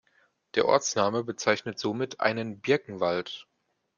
Der Ortsname bezeichnet somit einen "Birkenwald".